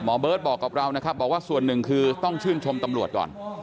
เบิร์ตบอกกับเรานะครับบอกว่าส่วนหนึ่งคือต้องชื่นชมตำรวจก่อน